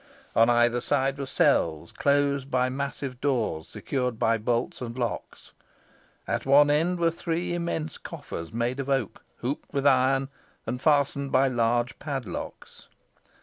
On either side were cells closed by massive doors, secured by bolts and locks. At one end were three immense coffers made of oak, hooped with iron, and fastened by large padlocks.